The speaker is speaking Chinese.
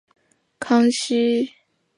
康熙三十八年己卯科解元。